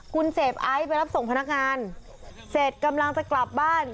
คุณเสพไอซ์ไปรับส่งพนักงานเสร็จกำลังจะกลับบ้าน